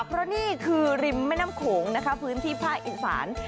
เพราะนี่คือริมแม่น้ำโขงนะคะพื้นที่ภาคอีสาน